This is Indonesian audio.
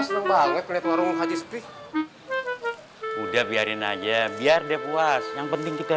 senang banget lihat warung hati sepi udah biarin aja biar dia puas yang penting kita